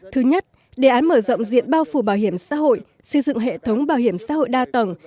thứ nhất đề án mở rộng diện bao phủ bảo hiểm xã hội xây dựng hệ thống bảo hiểm xã hội đa tầng